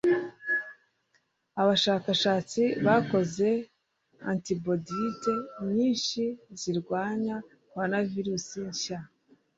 Abashakashatsi bakoze antibodiyite nyinshi zirwanya coronavirus nshya.